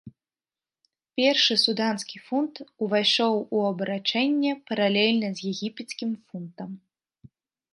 Першы суданскі фунт увайшоў у абарачэнне паралельна з егіпецкім фунтам.